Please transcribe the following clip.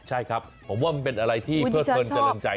ใช่ครับผมว่ามันเป็นอะไรที่เพิดเพลินเจริญใจ